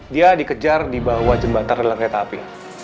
dia dikejar di bawah jembatan relak retah api